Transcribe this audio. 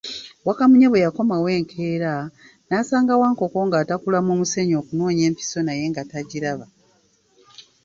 Wakamunye bwe yakomawo enkeera, n'asanga Wankoko ng'atakula mu musenyu okunoonya empiso naye nga tagiraba.